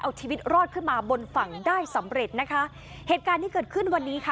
เอาชีวิตรอดขึ้นมาบนฝั่งได้สำเร็จนะคะเหตุการณ์ที่เกิดขึ้นวันนี้ค่ะ